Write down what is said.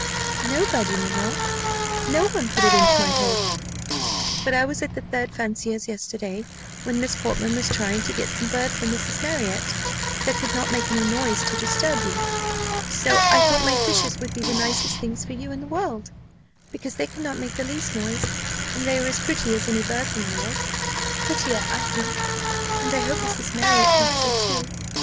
"Nobody, mamma; no one put it into my head. But I was at the bird fancier's yesterday, when Miss Portman was trying to get some bird for Mrs. Marriott, that could not make any noise to disturb you; so I thought my fishes would be the nicest things for you in the world; because they cannot make the least noise, and they are as pretty as any birds in the world prettier, I think and I hope Mrs. Marriott thinks so too."